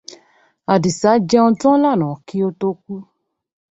Àdìsá jẹun tán lánàá kí ó tó kú.